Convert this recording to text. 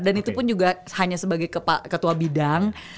dan itu pun juga hanya sebagai ketua bidang